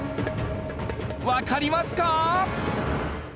わかりますか？